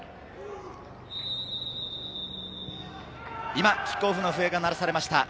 今、キックオフの笛が鳴らされました。